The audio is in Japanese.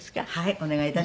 お願い致します。